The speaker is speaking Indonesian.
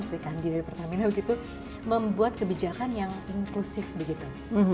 meski kan di pertamina begitu membuat kebijakan yang inklusif begitu